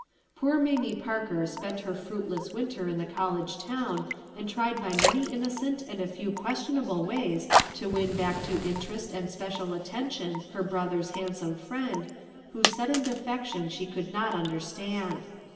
Poor Mamie Parker spent her fruitless winter in the college town, and tried by many innocent and a few questionable ways to win back to interest and special attention her brother's handsome friend, whose sudden defection she could not understand.